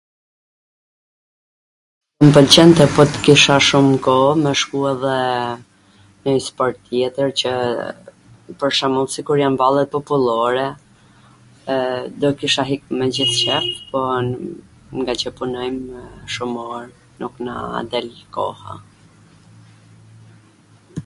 [do] mw pwlqente po t kisha mw shum koh, me shku edhe nw njw sport tjetwr, pwr shwmbull sikur jan vallet popullore, e, do kisha hik megjith qef, po ngaqw punojm shum or, nuk na del koha.